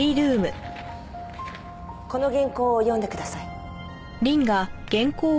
この原稿を読んでください。